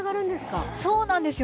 そうなんですよ。